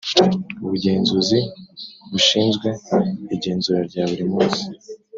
Ubugenzuzi bushinzwe igenzura rya buri munsi